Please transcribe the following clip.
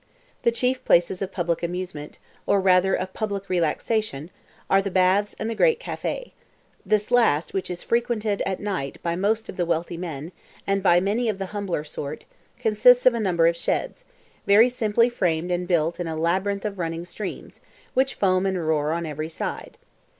The chief places of public amusement, or rather, of public relaxation, are the baths and the great café; this last, which is frequented at night by most of the wealthy men, and by many of the humbler sort, consists of a number of sheds, very simply framed and built in a labyrinth of running streams, which foam and roar on every side.